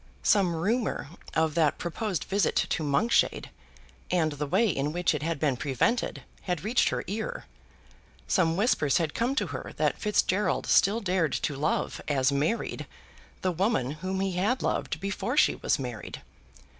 Some rumour of that proposed visit to Monkshade, and the way in which it had been prevented, had reached her ear. Some whispers had come to her that Fitzgerald still dared to love, as married, the woman whom he had loved before she was married.